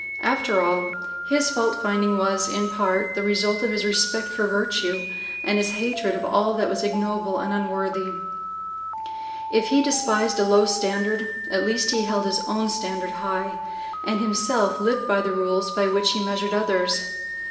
After all, his fault finding was in part the result of his respect for virtue and his hatred of all that was ignoble and unworthy. If he despised a low standard, at least he held his own standard high, and himself lived by the rules by which he measured others.